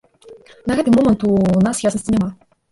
На гэты момант у нас яснасці няма.